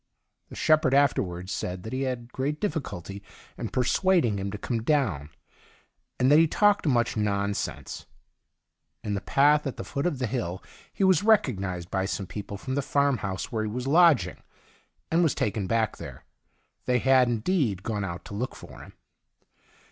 The shepherd afterwards said that he had great difficulty in persuading him to come down, and that he talked much nonsense. In the path at the foot of the hill he was recognised by some people fi om the farmhouse where he w^as lodging, and was taken back there. They had, in deed, gone out to look for him.